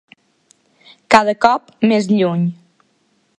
Cada cop més lluny.